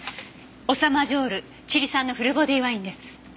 オサ・マジョールチリ産のフルボディワインです。